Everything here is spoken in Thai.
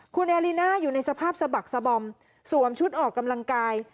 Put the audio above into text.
คุณแอลิน่าอยู่ในสภาพสะบักสะบอมสวมชุดออกกำลังกาย